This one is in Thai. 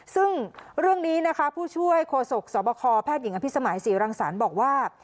ซึ่งเรื่องนี้นะคะผู้ช่วยโฆษกสบคแพทย์หญิงอภิษมัยศรีรังสรรค์บอกว่า